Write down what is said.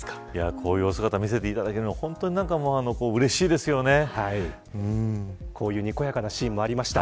こういうお姿を見せていただけるのはこういうにこやかなシーンもありました。